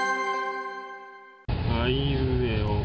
あいうえお。